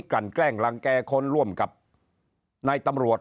ลั่นแกล้งรังแก่คนร่วมกับนายตำรวจ